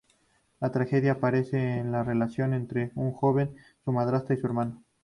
La tragedia aparece en la relación entre un joven, su madrastra y su hermano.